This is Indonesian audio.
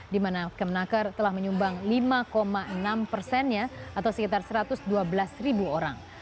di mana kemenaker telah menyumbang lima enam persennya atau sekitar satu ratus dua belas ribu orang